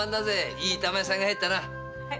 いい板前さんが入ったな。